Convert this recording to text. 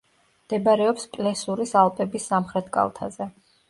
მდებარეობს პლესურის ალპების სამხრეთ კალთაზე.